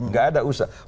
nggak ada usaha